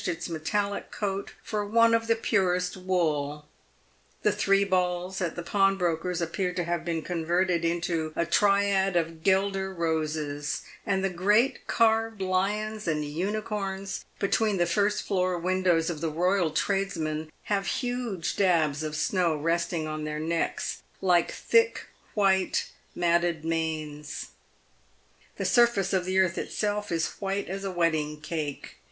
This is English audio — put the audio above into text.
its metallic coat for one of the purest wool ; the three balls at the pawnbroker's appear to have been converted into a triad of gelder roses ; and the great carved lions and unicorns between the first floor windows of the royal tradesmen, have huge dabs of snow rest ing on their necks, like thick, white, matted manes. The surface of the earth itself is white as a wedding cake.